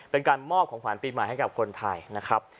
เป็นการมอบของขวัญปีใหม่ให้กับคนไทยนะครับ